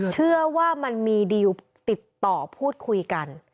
เชื่อว่ามันมีดีลติดต่อพูดคุยกัน